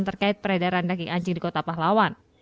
terkait peredaran daging anjing di kota pahlawan